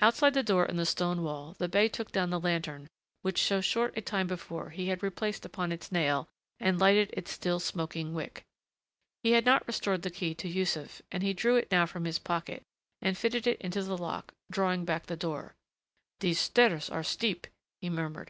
Outside the door in the stone wall the bey took down the lantern which so short a time before he had replaced upon its nail and lighted its still smoking wick. He had not restored the key to Yussuf, and he drew it now from his pocket and fitted it into the lock, drawing back the door. "These stairs are steep," he murmured.